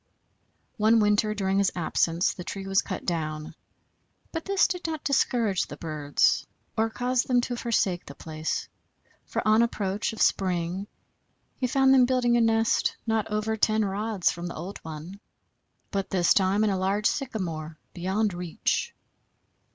One winter during his absence the tree was cut down, but this did not discourage the birds, or cause them to forsake the place, for on approach of spring he found them building a nest not over ten rods from the old one, but this time in a large sycamore beyond reach.